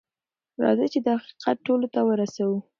راځئ چې دا حقیقت ټولو ته ورسوو.